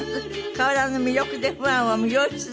変わらぬ魅力でファンを魅了し続ける秘密は？